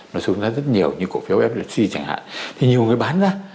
nó xuống ra rất nhiều như cổ phiếu flc chẳng hạn thì nhiều người bán ra